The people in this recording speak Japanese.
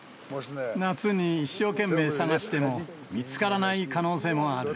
夏に一生懸命探しても、見つからない可能性もある。